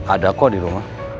ada kok di rumah